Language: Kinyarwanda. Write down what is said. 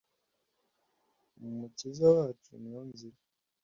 numukiza wacu niyo nzira